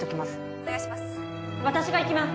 お願いします